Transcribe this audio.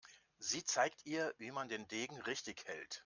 Sie zeigt ihr, wie man den Degen richtig hält.